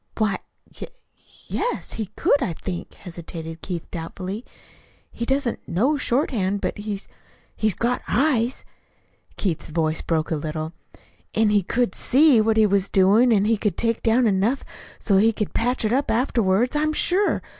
"Why, y yes, he could, I think," hesitated Keith doubtfully. "He doesn't know shorthand, but he he's got eyes" (Keith's voice broke a little) "and he could SEE what he was doing, and he could take down enough of it so he could patch it up afterwards, I'm sure.